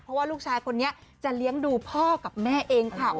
เพราะว่าลูกชายคนนี้จะเลี้ยงดูพ่อกับแม่เองค่ะ